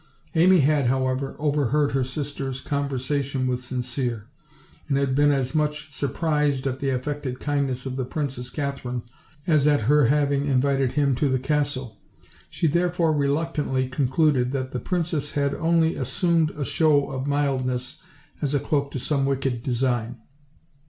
Amy had, however, overheard her sister's conversation with Sincere, and had been as much surprised at the affected kindness of the Princess Katherine as at her having invited him to the castle; she therefore reluc tantly concluded that the princess had only assumed a show of mildness as a cloak to some wicked design.